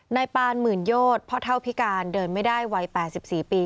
นายปานหมื่นโยชน์พ่อเท่าพิการเดินไม่ได้วัย๘๔ปี